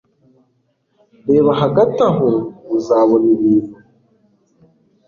Reba hagati aho uzabona ibintu